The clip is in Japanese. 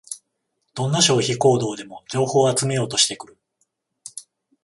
どんな消費行動でも情報を集めようとしてくる